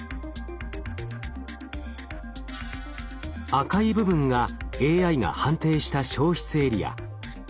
赤い部分がＡＩが判定した焼失エリア。